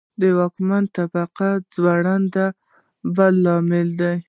د واکمنې طبقې خنډونه بل لامل دی